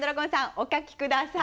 お書きください。